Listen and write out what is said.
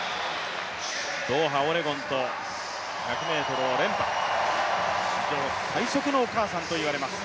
ドーハ、オレゴンと１００ｍを連覇史上最速のお母さんといわれます。